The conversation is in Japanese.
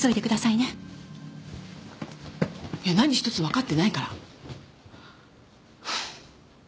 いや何一つわかってないから。